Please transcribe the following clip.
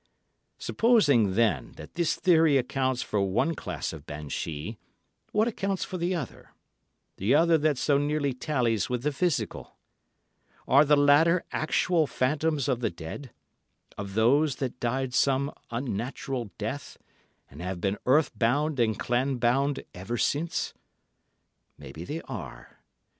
"Supposing then that this theory accounts for the one class of banshee, what accounts for the other—the other that so nearly tallies with the physical? Are the latter actual phantoms of the dead; of those that died some unnatural death, and have been earth bound and clan bound ever since? Maybe they are.